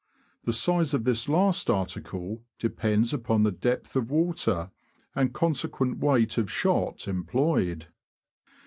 The size of this last article depends upon the depth of water, and consequent weight of shot employed.